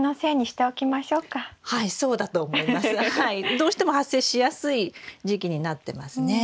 どうしても発生しやすい時期になってますね。